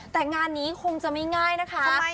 แต่งานนี้คงจะไม่ง่ายนะคะ